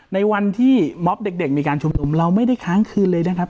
ในวันที่มอบเด็กมีการชุมนุมเราไม่ได้ค้างคืนเลยนะครับ